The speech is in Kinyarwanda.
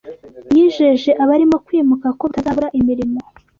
Yijeje abarimo kwimuka ko batazabura imirimo